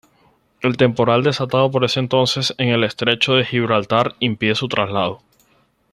El temporal desatado por ese entonces en el Estrecho de Gibraltar impide su traslado.